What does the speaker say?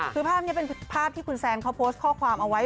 คือภาพนี้เป็นภาพที่คุณแซนเขาโพสต์ข้อความเอาไว้